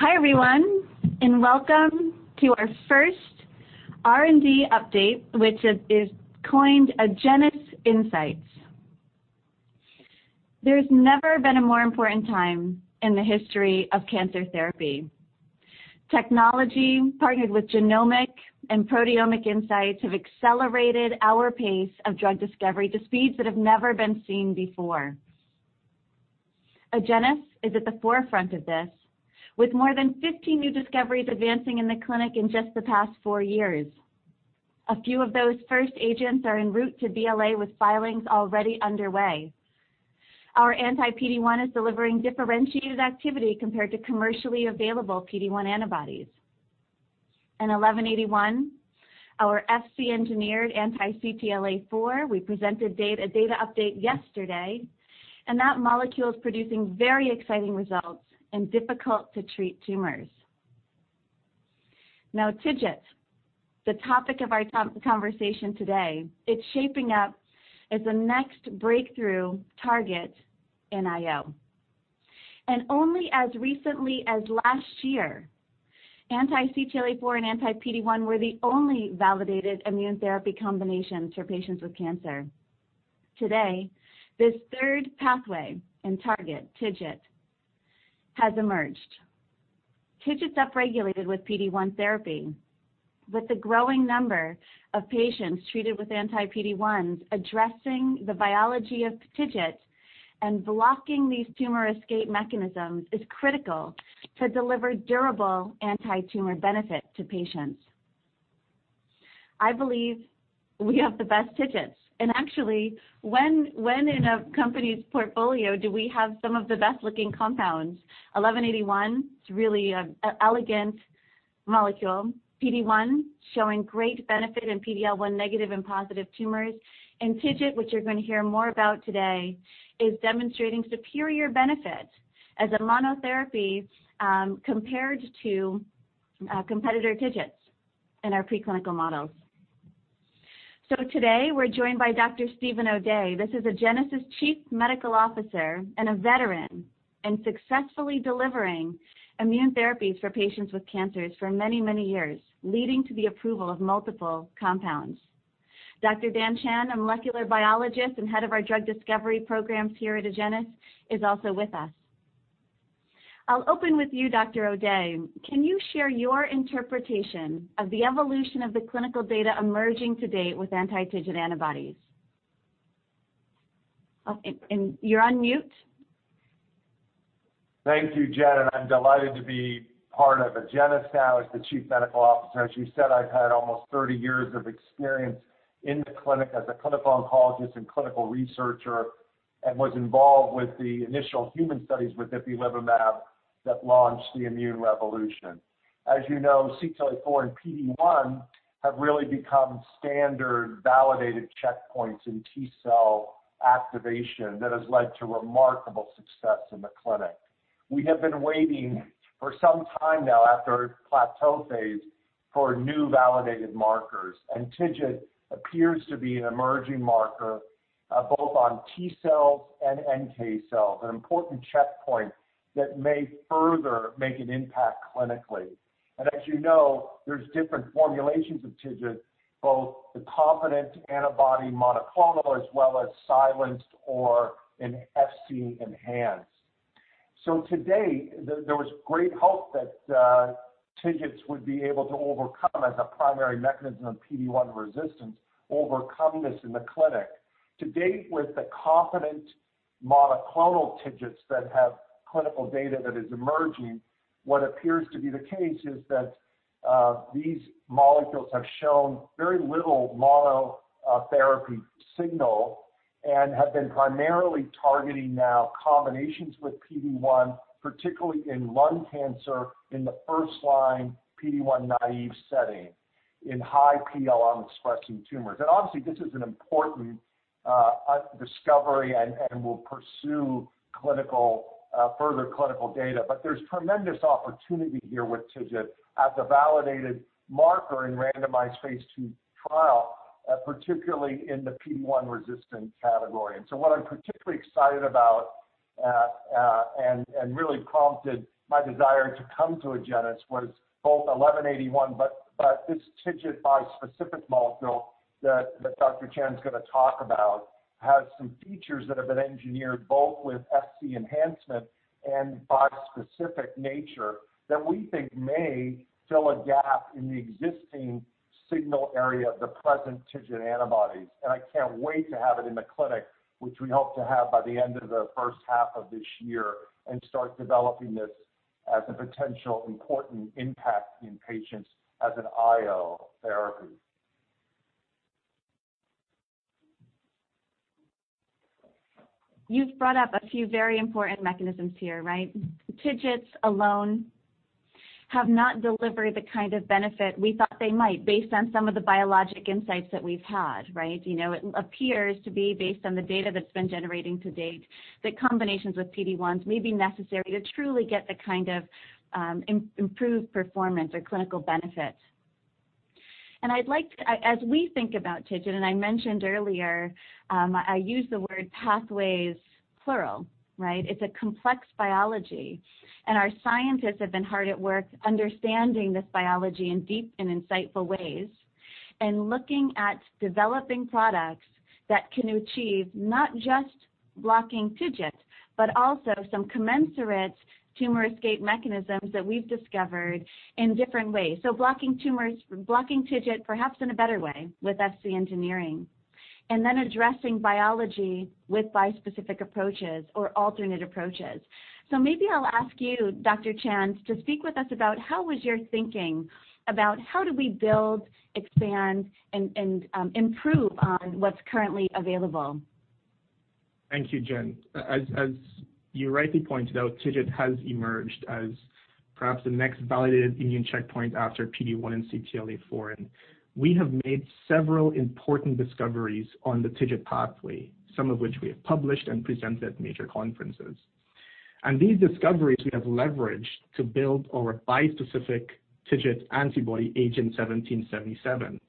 Hi, everyone, welcome to our first R&D update, which is coined Agenus Insights. There's never been a more important time in the history of cancer therapy. Technology, partnered with genomic and proteomic insights, have accelerated our pace of drug discovery to speeds that have never been seen before. Agenus is at the forefront of this, with more than 50 new discoveries advancing in the clinic in just the past four years. A few of those first agents are en route to BLA with filings already underway. Our anti-PD-1 is delivering differentiated activity compared to commercially available PD-1 antibodies. AGEN1181, our Fc engineered anti-CTLA-4, we presented a data update yesterday, and that molecule is producing very exciting results in difficult-to-treat tumors. Now TIGIT, the topic of our conversation today. It's shaping up as the next breakthrough target in IO. Only as recently as last year, anti-CTLA-4 and anti-PD-1 were the only validated immune therapy combinations for patients with cancer. Today, this third pathway and target, TIGIT, has emerged. TIGIT's upregulated with PD-1 therapy. With the growing number of patients treated with anti-PD-1s, addressing the biology of TIGIT and blocking these tumor escape mechanisms is critical to deliver durable anti-tumor benefit to patients. I believe we have the best TIGITs. Actually, when in a company's portfolio do we have some of the best-looking compounds? AGEN1181, it's really an elegant molecule. PD-1, showing great benefit in PD-L1 negative and positive tumors. TIGIT, which you're going to hear more about today, is demonstrating superior benefit as a monotherapy compared to competitor TIGITs in our preclinical models. Today, we're joined by Dr. Steven O'Day. This is Agenus' Chief Medical Officer and a veteran in successfully delivering immune therapies for patients with cancers for many, many years, leading to the approval of multiple compounds. Dr. Dhan Chand, a molecular biologist and Head of our Drug Discovery programs here at Agenus, is also with us. I'll open with you, Dr. O'Day. Can you share your interpretation of the evolution of the clinical data emerging to date with anti-TIGIT antibodies? You're on mute. Thank you, Jen. I'm delighted to be part of Agenus now as the Chief Medical Officer. As you said, I've had almost 30 years of experience in the clinic as a clinical oncologist and clinical researcher. Was involved with the initial human studies with ipilimumab that launched the immune revolution. As you know, CTLA-4 and PD-1 have really become standard validated checkpoints in T cell activation that has led to remarkable success in the clinic. We have been waiting for some time now, after plateau phase, for new validated markers. TIGIT appears to be an emerging marker both on T cells and NK cells, an important checkpoint that may further make an impact clinically. As you know, there's different formulations of TIGIT, both the competent antibody monoclonal, as well as silenced or an Fc-enhanced. Today, there was great hope that TIGITs would be able to overcome, as a primary mechanism of PD-1 resistance, overcome this in the clinic. To date, with the competent monoclonal TIGITs that have clinical data that is emerging, what appears to be the case is that these molecules have shown very little monotherapy signal and have been primarily targeting now combinations with PD-1, particularly in lung cancer in the first-line PD-1-naive setting in high PD-L1 expressing tumors. Obviously, this is an important discovery and will pursue further clinical data. There's tremendous opportunity here with TIGIT as a validated marker in randomized phase II trial, particularly in the PD-1 resistant category. What I'm particularly excited about, and really prompted my desire to come to Agenus, was both AGEN1181, but this TIGIT bispecific molecule that Dr. Chand's going to talk about has some features that have been engineered both with Fc enhancement and bispecific nature that we think may fill a gap in the existing signal area of the present TIGIT antibodies. I can't wait to have it in the clinic, which we hope to have by the end of the first half of this year and start developing this as a potential important impact in patients as an IO therapy. You've brought up a few very important mechanisms here. TIGITs alone have not delivered the kind of benefit we thought they might based on some of the biologic insights that we've had. It appears to be based on the data that's been generating to date, that combinations with PD-1s may be necessary to truly get the kind of improved performance or clinical benefit. As we think about TIGIT, and I mentioned earlier, I use the word pathways plural, right? It's a complex biology. Our scientists have been hard at work understanding this biology in deep and insightful ways, and looking at developing products that can achieve not just blocking TIGIT, but also some commensurate tumor escape mechanisms that we've discovered in different ways. Blocking TIGIT perhaps in a better way with Fc engineering, and then addressing biology with bispecific approaches or alternate approaches. Maybe I'll ask you, Dr. Chand, to speak with us about how was your thinking about how do we build, expand, and improve on what's currently available? Thank you, Jen. As you rightly pointed out, TIGIT has emerged as perhaps the next validated immune checkpoint after PD-1 and CTLA-4, and we have made several important discoveries on the TIGIT pathway, some of which we have published and presented at major conferences. These discoveries we have leveraged to build our bispecific TIGIT antibody, AGEN1777,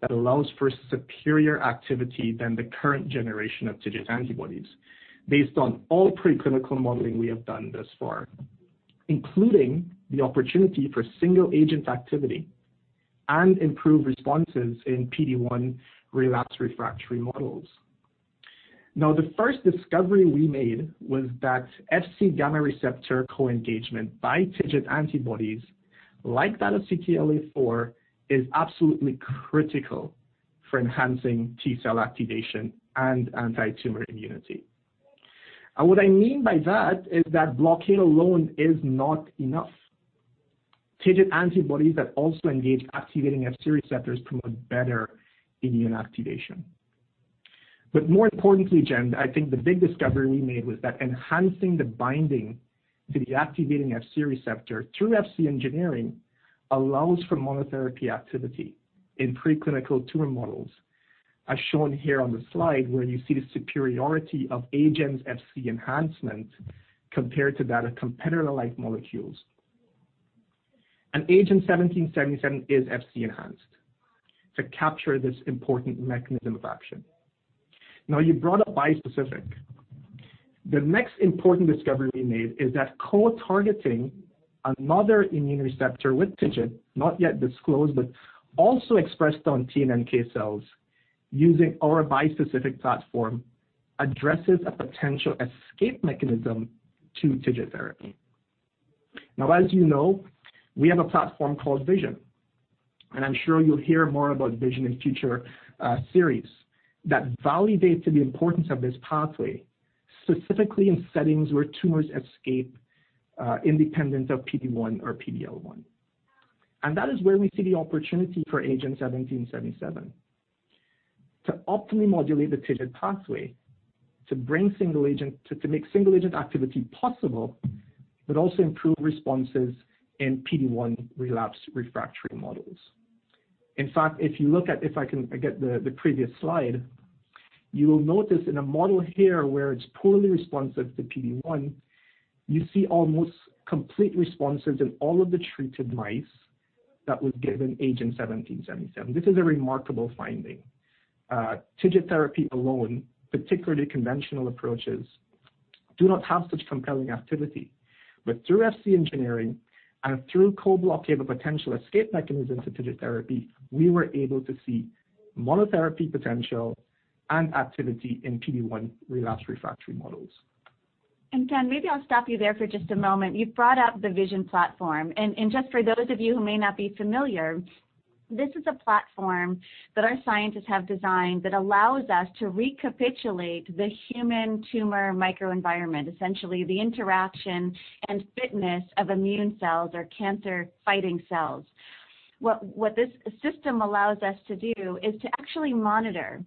that allows for superior activity than the current generation of TIGIT antibodies based on all preclinical modeling we have done thus far, including the opportunity for single-agent activity and improved responses in PD-1 relapse refractory models. Now, the first discovery we made was that Fc gamma receptor co-engagement by TIGIT antibodies, like that of CTLA-4, is absolutely critical for enhancing T cell activation and antitumor immunity. What I mean by that is that blockade alone is not enough. TIGIT antibodies that also engage activating Fc receptors promote better immune activation. More importantly, Jen, I think the big discovery we made was that enhancing the binding to the activating Fc receptor through Fc engineering allows for monotherapy activity in preclinical tumor models, as shown here on the slide, where you see the superiority of Agenus' Fc enhancement compared to that of competitor-like molecules. AGEN1777 is Fc-enhanced to capture this important mechanism of action. Now, you brought up bispecific. The next important discovery we made is that co-targeting another immune receptor with TIGIT, not yet disclosed, but also expressed on NK cells using our bispecific platform, addresses a potential escape mechanism to TIGIT therapy. Now, as you know, we have a platform called Vision, and I'm sure you'll hear more about Vision in future series, that validated the importance of this pathway, specifically in settings where tumors escape independent of PD-1 or PD-L1. That is where we see the opportunity for AGEN1777 to optimally modulate the TIGIT pathway, to make single-agent activity possible, but also improve responses in PD-1 relapse refractory models. In fact, if I can get the previous slide, you will notice in a model here where it's poorly responsive to PD-1, you see almost complete responses in all of the treated mice that was given AGEN1777. This is a remarkable finding. TIGIT therapy alone, particularly conventional approaches, do not have such compelling activity. Through Fc engineering and through co-blockade of potential escape mechanisms of TIGIT therapy, we were able to see monotherapy potential and activity in PD-1 relapse refractory models. Dhan, maybe I'll stop you there for just a moment. You've brought up the Vision platform, and just for those of you who may not be familiar, this is a platform that our scientists have designed that allows us to recapitulate the human tumor microenvironment, essentially the interaction and fitness of immune cells or cancer-fighting cells. What this system allows us to do is to actually monitor.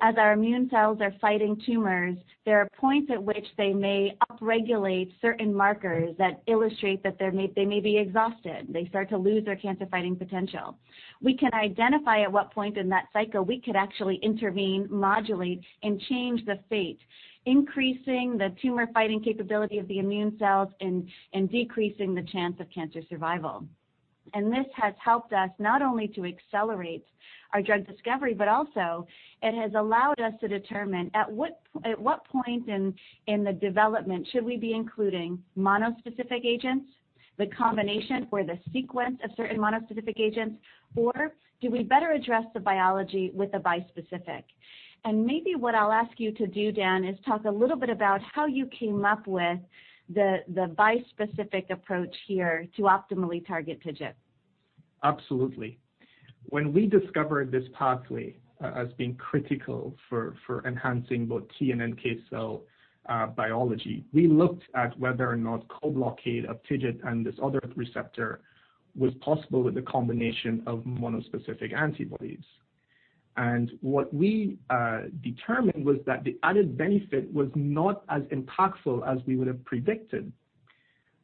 As our immune cells are fighting tumors, there are points at which they may upregulate certain markers that illustrate that they may be exhausted, they start to lose their cancer-fighting potential. We can identify at what point in that cycle we could actually intervene, modulate, and change the fate, increasing the tumor-fighting capability of the immune cells and decreasing the chance of cancer survival. This has helped us not only to accelerate our drug discovery, but also it has allowed us to determine at what point in the development should we be including monospecific agents, the combination or the sequence of certain monospecific agents, or do we better address the biology with a bispecific? Maybe what I'll ask you to do, Dhan, is talk a little bit about how you came up with the bispecific approach here to optimally target TIGIT. Absolutely. When we discovered this pathway as being critical for enhancing both T and NK cell biology, we looked at whether or not co-blockade of TIGIT and this other receptor was possible with the combination of monospecific antibodies. What we determined was that the added benefit was not as impactful as we would have predicted.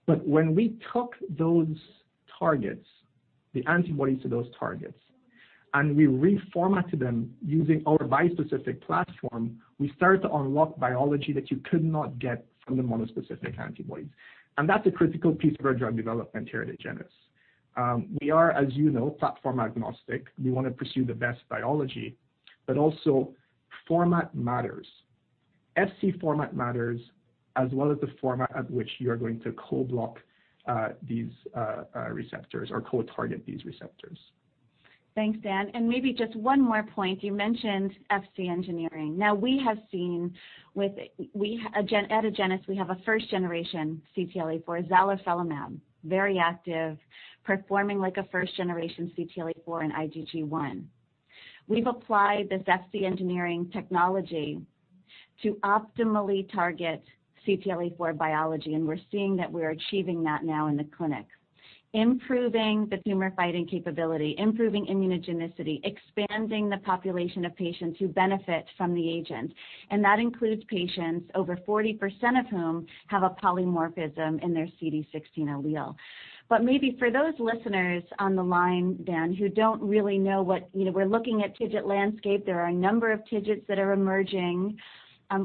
When we took those targets, the antibodies to those targets, and we reformatted them using our bispecific platform, we started to unlock biology that you could not get from the monospecific antibodies. That's a critical piece of our drug development here at Agenus. We are, as you know, platform agnostic. We want to pursue the best biology, but also format matters. Fc format matters, as well as the format at which you are going to co-block these receptors or co-target these receptors. Thanks, Dhan. Maybe just one more point. You mentioned Fc engineering. We have seen at Agenus, we have a first generation CTLA-4, zalifrelimab, very active, performing like a first generation CTLA-4 in IgG1. We've applied this Fc engineering technology to optimally target CTLA-4 biology. We're seeing that we're achieving that now in the clinic, improving the tumor-fighting capability, improving immunogenicity, expanding the population of patients who benefit from the agent. That includes patients over 40% of whom have a polymorphism in their CD16 allele. Maybe for those listeners on the line, Dhan, who don't really know. We're looking at TIGIT landscape. There are a number of TIGITs that are emerging.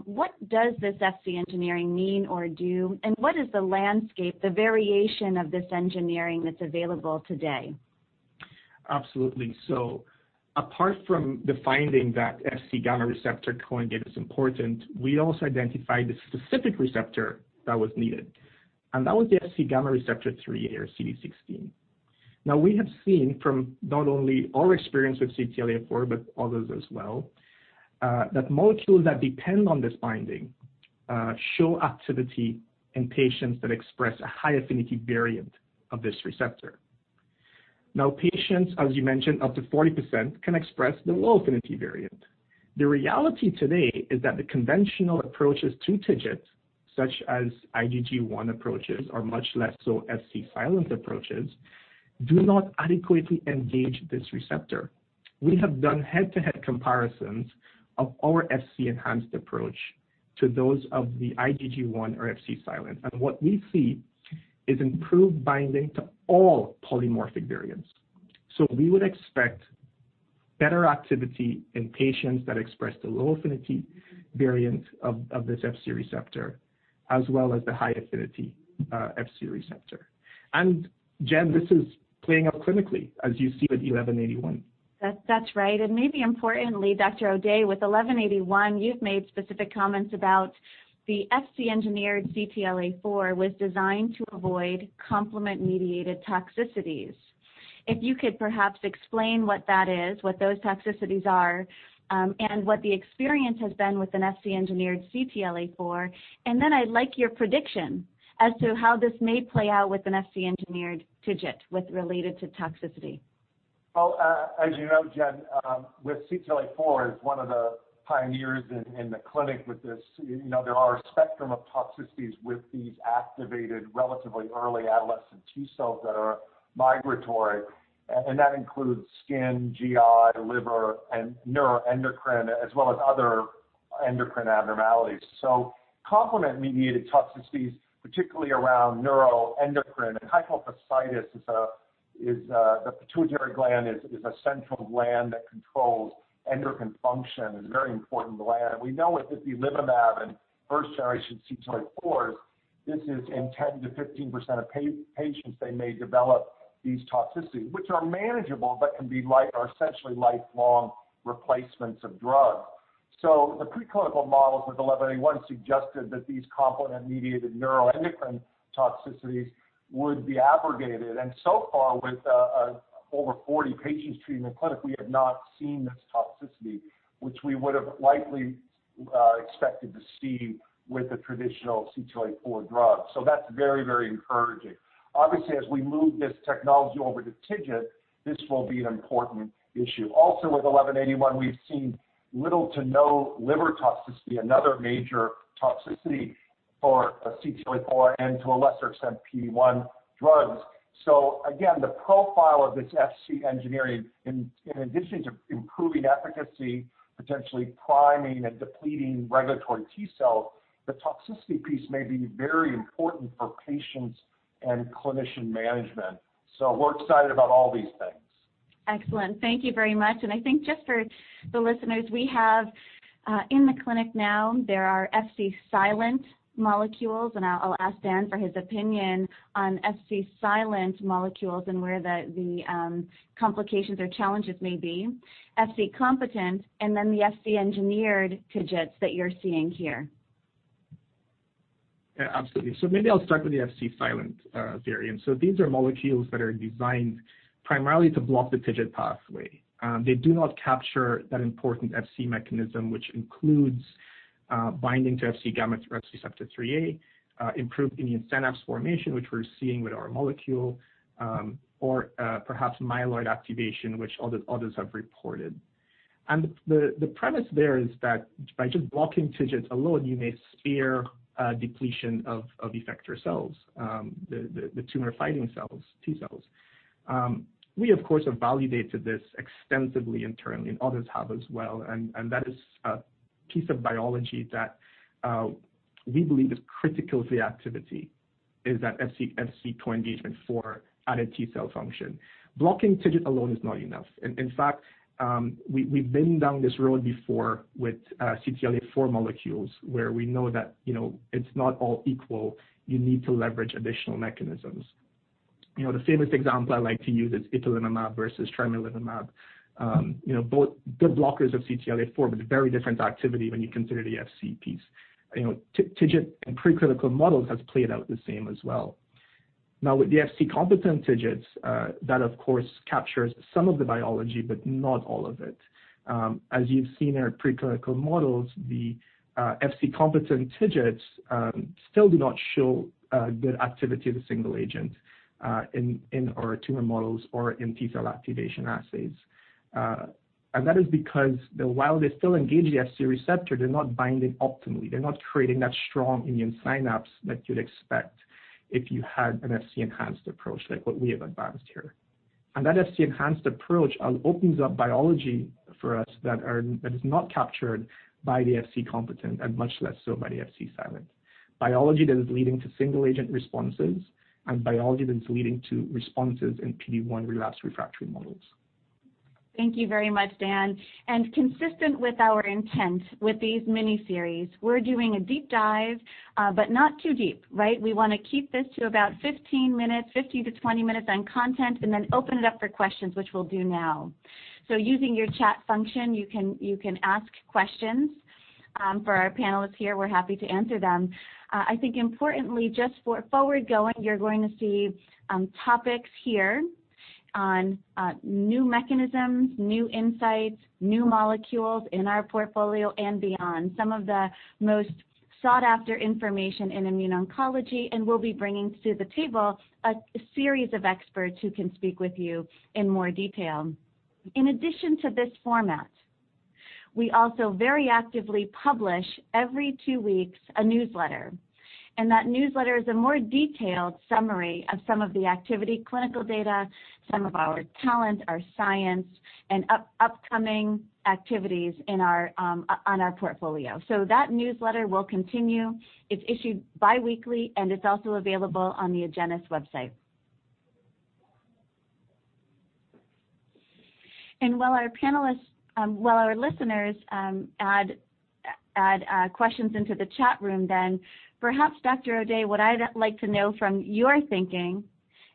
What does this Fc engineering mean or do? What is the landscape, the variation of this engineering that's available today? Absolutely. Apart from the finding that Fc gamma receptor co-engagement is important, we also identified the specific receptor that was needed, and that was the Fc gamma receptor IIIa or CD16. We have seen from not only our experience with CTLA-4, but others as well, that molecules that depend on this binding show activity in patients that express a high-affinity variant of this receptor. Patients, as you mentioned, up to 40%, can express the low-affinity variant. The reality today is that the conventional approaches to TIGIT, such as IgG1 approaches, or much less so Fc-silent approaches, do not adequately engage this receptor. We have done head-to-head comparisons of our Fc-enhanced approach to those of the IgG1 or Fc-silent, and what we see is improved binding to all polymorphic variants. We would expect better activity in patients that express the low-affinity variant of this Fc receptor, as well as the high affinity Fc receptor. Jen, this is playing out clinically as you see with 1181. That's right. Maybe importantly, Dr. O'Day, with AGEN1181, you've made specific comments about the Fc engineered CTLA-4 was designed to avoid complement mediated toxicities. If you could perhaps explain what that is, what those toxicities are, and what the experience has been with an Fc engineered CTLA-4, and then I'd like your prediction as to how this may play out with an Fc engineered TIGIT with related to toxicity? Well, as you know, Jen, with CTLA-4 as one of the pioneers in the clinic with this, there are a spectrum of toxicities with these activated relatively early adolescent T cells that are migratory, and that includes skin, GI, liver, and neuroendocrine, as well as other endocrine abnormalities. Complement mediated toxicities, particularly around neuroendocrine and hypophysitis is the pituitary gland is a central gland that controls endocrine function, is a very important gland. We know with ipilimumab and first generation CTLA-4s, this is in 10%-15% of patients, they may develop these toxicities, which are manageable but can be essentially lifelong replacements of drugs. The preclinical models with 1181 suggested that these complement mediated neuroendocrine toxicities would be abrogated. So far with over 40 patients treated in the clinic, we have not seen this toxicity, which we would have likely expected to see with the traditional CTLA-4 drug. That's very encouraging. Obviously, as we move this technology over to TIGIT, this will be an important issue. With AGEN1181, we've seen little to no liver toxicity, another major toxicity for a CTLA-4 and to a lesser extent, PD-1 drugs. Again, the profile of this Fc engineering in addition to improving efficacy, potentially priming and depleting regulatory T cells, the toxicity piece may be very important for patients and clinician management. We're excited about all these things. I think just for the listeners we have in the clinic now, there are Fc-silent molecules, and I'll ask Dhan for his opinion on Fc-silent molecules and where the complications or challenges may be, Fc-competent, and then the Fc-engineered TIGITs that you're seeing here. Yeah, absolutely. Maybe I'll start with the Fc-silent variant. These are molecules that are designed primarily to block the TIGIT pathway. They do not capture that important Fc mechanism, which includes binding to Fc gamma receptor IIIa, improved immune synapse formation, which we're seeing with our molecule, or perhaps myeloid activation, which others have reported. The premise there is that by just blocking TIGIT alone, you may spare depletion of effector cells, the tumor fighting cells, T cells. We, of course, have validated this extensively internally, and others have as well, and that is a piece of biology that we believe is critical to the activity is that Fc co-engagement for added T cell function. Blocking TIGIT alone is not enough. In fact, we've been down this road before with CTLA-4 molecules where we know that it's not all equal. You need to leverage additional mechanisms. The famous example I like to use is ipilimumab versus tremelimumab. Both good blockers of CTLA-4, but very different activity when you consider the Fc piece. TIGIT in preclinical models has played out the same as well. Now, with the Fc-competent TIGITs, that of course captures some of the biology, but not all of it. As you've seen in our preclinical models, the Fc-competent TIGITs still do not show good activity as a single agent in our tumor models or in T-cell activation assays. That is because while they still engage the Fc receptor, they're not binding optimally. They're not creating that strong immune synapse that you'd expect if you had an Fc-enhanced approach like what we have advanced here. That Fc-enhanced approach opens up biology for us that is not captured by the Fc-competent, and much less so by the Fc-silent. Biology that is leading to single-agent responses and biology that is leading to responses in PD-1 relapse refractory models. Thank you very much, Dhan. Consistent with our intent with these miniseries, we're doing a deep dive, but not too deep, right. We want to keep this to about 15 minutes, 15-20 minutes on content, and then open it up for questions, which we'll do now. Using your chat function, you can ask questions for our panelists here. We're happy to answer them. I think importantly, just for forward going, you're going to see topics here on new mechanisms, new insights, new molecules in our portfolio and beyond. Some of the most sought-after information in immuno-oncology, we'll be bringing to the table a series of experts who can speak with you in more detail. In addition to this format, we also very actively publish every two weeks a newsletter. That newsletter is a more detailed summary of some of the activity, clinical data, some of our talent, our science, and upcoming activities on our portfolio. That newsletter will continue. It's issued biweekly. It's also available on the Agenus website. While our listeners add questions into the chat room, perhaps, Dr. O'Day, what I'd like to know from your thinking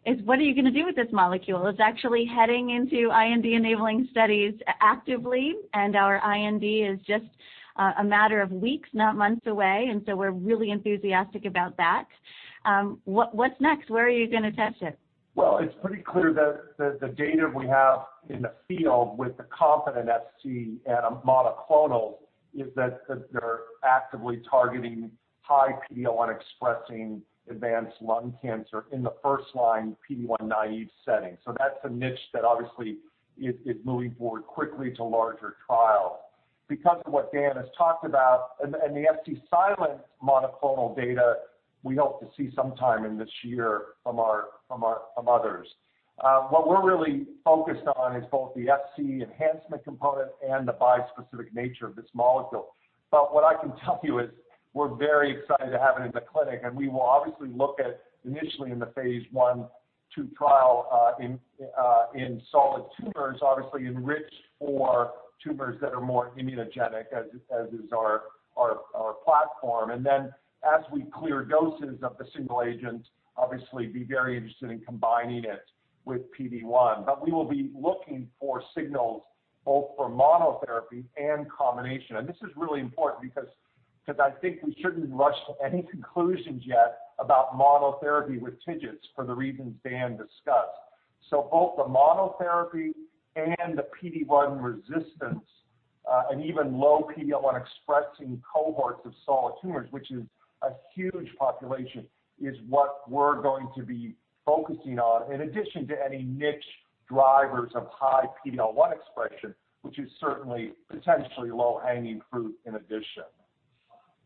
is what are you going to do with this molecule? It's actually heading into IND-enabling studies actively. Our IND is just a matter of weeks, not months away. We're really enthusiastic about that. What's next? Where are you going to test it? It's pretty clear that the data we have in the field with the competent Fc and a monoclonal is that they're actively targeting high PD-L1 expressing advanced lung cancer in the first-line PD-1-naive setting. That's a niche that obviously is moving forward quickly to larger trials. Because of what Dhan has talked about and the Fc-silent monoclonal data, we hope to see sometime in this year from others. What we're really focused on is both the Fc enhancement component and the bispecific nature of this molecule. What I can tell you is we're very excited to have it in the clinic, and we will obviously look at initially in the phase I/II trial in solid tumors, obviously enriched for tumors that are more immunogenic as is our platform. As we clear doses of the single agent, obviously be very interested in combining it with PD-1. We will be looking for signals both for monotherapy and combination. This is really important because I think we shouldn't rush to any conclusions yet about monotherapy with TIGITs for the reasons Dhan discussed. Both the monotherapy and the PD-1 resistance and even low PD-L1 expressing cohorts of solid tumors, which is a huge population, is what we're going to be focusing on in addition to any niche drivers of high PD-L1 expression, which is certainly potentially low-hanging fruit in addition.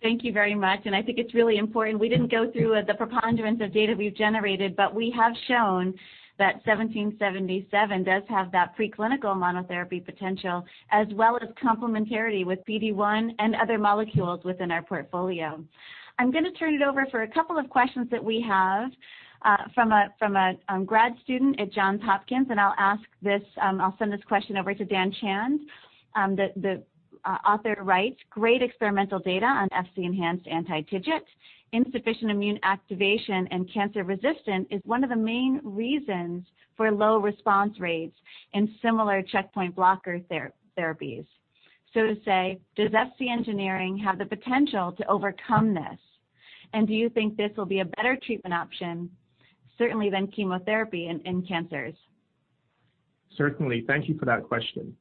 Thank you very much. I think it's really important. We didn't go through the preponderance of data we've generated, but we have shown that 1777 does have that preclinical monotherapy potential as well as complementarity with PD-1 and other molecules within our portfolio. I'm going to turn it over for a couple of questions that we have from a grad student at Johns Hopkins, and I'll send this question over to Dhan Chand. The author writes, "Great experimental data on Fc-enhanced anti-TIGIT. Insufficient immune activation and cancer resistance is one of the main reasons for low response rates in similar checkpoint blocker therapies. So to say, does Fc engineering have the potential to overcome this? Do you think this will be a better treatment option, certainly than chemotherapy in cancers? Certainly. Thank you for that question.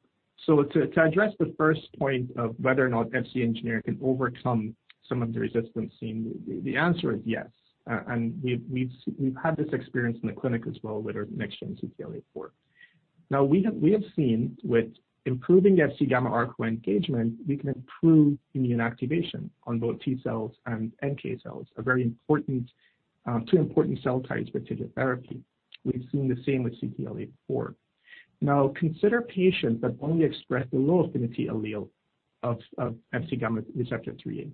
To address the first point of whether or not Fc engineering can overcome some of the resistance seen, the answer is yes. We've had this experience in the clinic as well with our next-gen CTLA-4. We have seen with improving the Fc gamma RIII engagement, we can improve immune activation on both T cells and NK cells, two important cell types for TIGIT therapy. We've seen the same with CTLA-4. Consider patients that only express the low affinity allele of Fc gamma receptor III.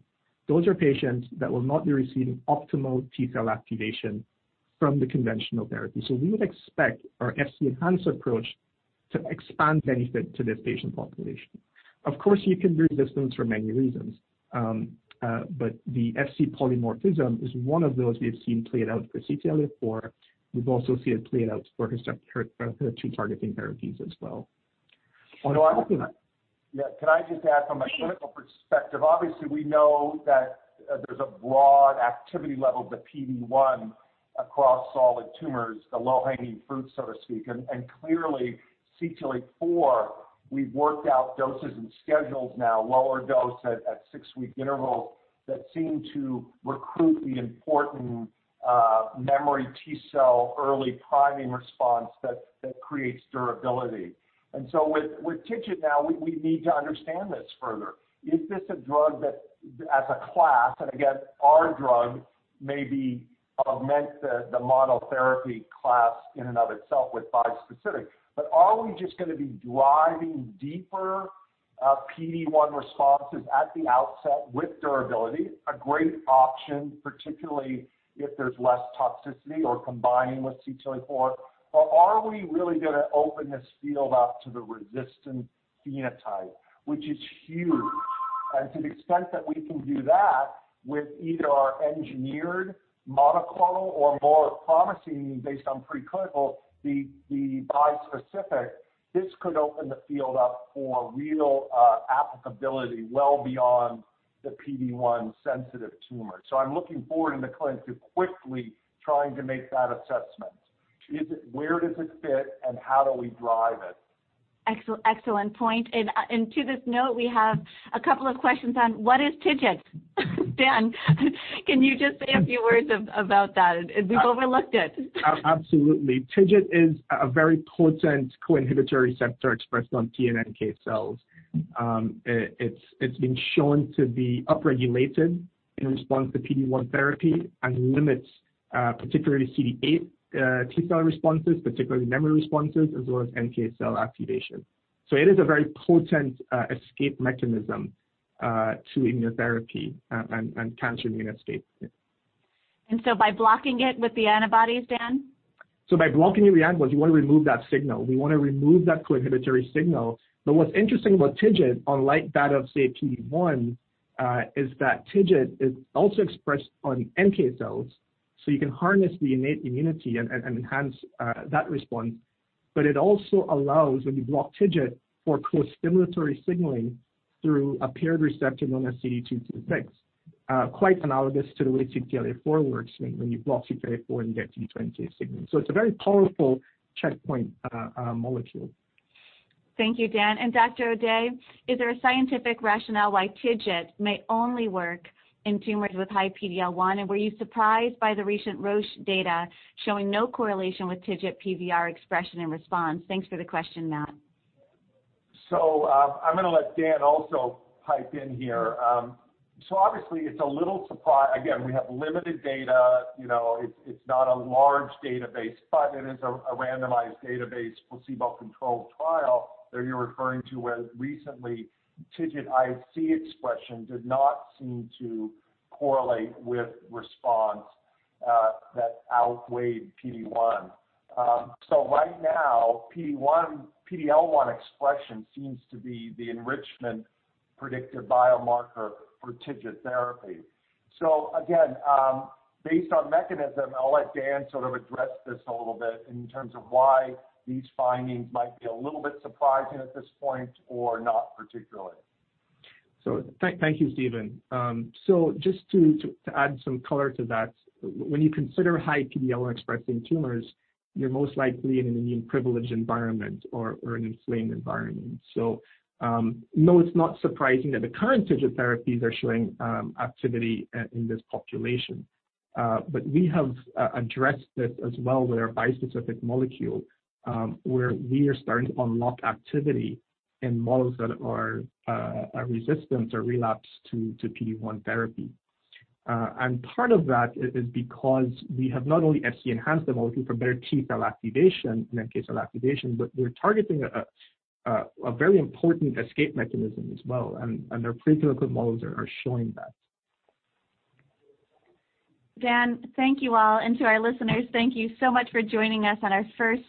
Those are patients that will not be receiving optimal T-cell activation from the conventional therapy. We would expect our Fc-enhanced approach to expand benefit to this patient population. Of course, you can bring resistance for many reasons. The Fc polymorphism is one of those we have seen played out for CTLA-4. We've also seen it played out for HER2 targeting therapies as well. Yeah. Can I just add from a clinical perspective? Obviously, we know that there's a broad activity level of the PD-1 across solid tumors, the low-hanging fruit, so to speak, and clearly CTLA-4, we've worked out doses and schedules now, lower dose at six-week intervals, that seem to recruit the important memory T cell early priming response that creates durability. With TIGIT now, we need to understand this further. Is this a drug that, as a class, and again, our drug maybe augment the monotherapy class in and of itself with bispecific, but are we just going to be driving deeper PD-1 responses at the outset with durability? A great option, particularly if there's less toxicity or combining with CTLA-4. Are we really going to open this field up to the resistant phenotype, which is huge. To the extent that we can do that with either our engineered monoclonal or more promising, based on pre-clinical, the bispecific, this could open the field up for real applicability well beyond the PD-1 sensitive tumor. I'm looking forward in the clinic to quickly trying to make that assessment. Where does it fit and how do we drive it? Excellent point. To this note, we have a couple of questions on what is TIGIT? Dhan, can you just say a few words about that? We've overlooked it. Absolutely. TIGIT is a very potent co-inhibitory receptor expressed on T and NK cells. It's been shown to be upregulated in response to PD-1 therapy and limits, particularly CD8 T cell responses, particularly memory responses, as well as NK cell activation. It is a very potent escape mechanism to immunotherapy and cancer immune escape. By blocking it with the antibodies, Dhan? By blocking the antibodies, we want to remove that signal. We want to remove that co-inhibitory signal. What's interesting about TIGIT, unlike that of, say, PD-1, is that TIGIT is also expressed on NK cells, so you can harness the innate immunity and enhance that response. It also allows, when you block TIGIT for co-stimulatory signaling through a paired receptor known as CD226. Quite analogous to the way CTLA-4 works, when you block CTLA-4, you get CD226 signal. It's a very powerful checkpoint molecule. Thank you, Dhan. Dr. O'Day, is there a scientific rationale why TIGIT may only work in tumors with high PD-L1 and were you surprised by the recent Roche data showing no correlation with TIGIT PVR expression and response? Thanks for the question, Matt. I'm going to let Dhan also pipe in here. Obviously it's a little surprising. Again, we have limited data. It's not a large database, but it is a randomized database, placebo-controlled trial that you're referring to where recently TIGIT IHC expression did not seem to correlate with response that outweighed PD-1. Right now, PD-L1 expression seems to be the enrichment predictive biomarker for TIGIT therapy. Again, based on mechanism, I'll let Dhan sort of address this a little bit in terms of why these findings might be a little bit surprising at this point or not particularly. Thank you, Steven. Just to add some color to that, when you consider high PD-L1 expressed in tumors, you're most likely in an immune privileged environment or an inflamed environment. No, it's not surprising that the current TIGIT therapies are showing activity in this population. We have addressed this as well with our bispecific molecule, where we are starting to unlock activity in models that are resistant or relapsed to PD-1 therapy. Part of that is because we have not only Fc-enhanced the molecule for better T cell activation, NK cell activation, but we're targeting a very important escape mechanism as well, and our preclinical models are showing that. Dhan, thank you all, and to our listeners, thank you so much for joining us on our first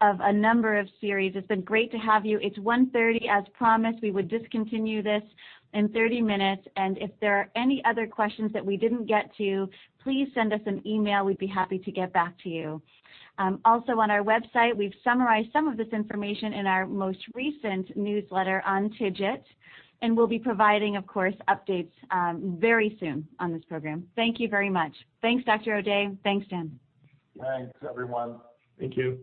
of a number of series. It's been great to have you. It's 1:30 P.M. As promised, we would discontinue this in 30 minutes. If there are any other questions that we didn't get to, please send us an email. We'd be happy to get back to you. Also on our website, we've summarized some of this information in our most recent newsletter on TIGIT. We'll be providing, of course, updates very soon on this program. Thank you very much. Thanks, Dr. O'Day. Thanks, Dhan. Thanks, everyone. Thank you.